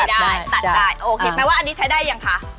ได้ตัดได้โอเคไหมว่าอันนี้ใช้ได้ยังคะ